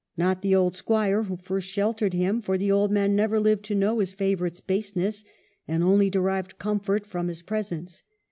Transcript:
Not the old Squire who first shel tered him ; for the old man never lived to know his favorite's baseness, and only derived comfort from his presence.